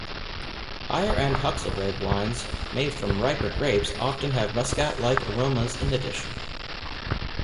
Higher-end Huxelrebe wines made from riper grapes often have muscat-like aromas in addition.